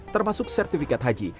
termasuk sertifikat haji